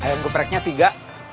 ayam gepreknya tiga